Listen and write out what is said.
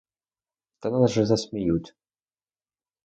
Та нас же засміють.